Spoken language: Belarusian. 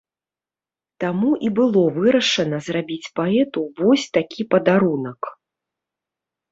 Таму і было вырашана зрабіць паэту вось такі падарунак.